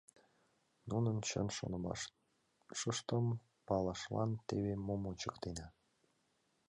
Нунын чын шонымашыштым палашлан теве мом ончыктена.